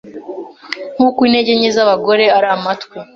nk’uko intege nke z’abagore ari amatwi